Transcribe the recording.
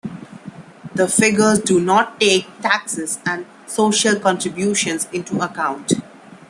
The figures do not take taxes and social contributions into account.